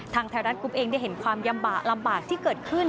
ไทยรัฐกรุ๊ปเองได้เห็นความยำบะลำบากที่เกิดขึ้น